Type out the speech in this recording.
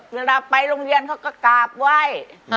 เวลาไปโรงเรียนเขาก็กราบไหว้